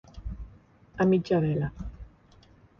A mitja vela.